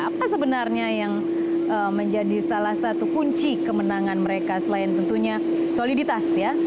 apa sebenarnya yang menjadi salah satu kunci kemenangan mereka selain tentunya soliditas ya